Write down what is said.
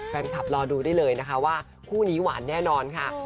รอดูได้เลยนะคะว่าคู่นี้หวานแน่นอนค่ะ